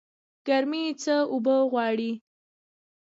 ګرمي څه اوبه غواړي؟